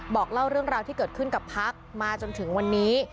บอกเล่าเรื่องราวที่เกิดขึ้นกับพักมาจนถึงวันนี้